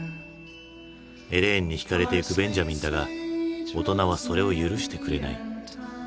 エレインにひかれていくベンジャミンだが大人はそれを許してくれない。